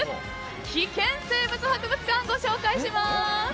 危険生物博物館ご紹介します。